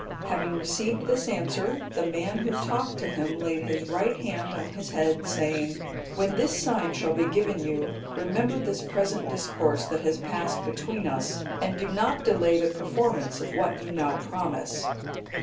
Having received this answer, the man who talked to him laid his right hand on his head saying, "When this sign shall be given you, remember this present discourse that has passed between us, and do not delay the performance of what you now promise."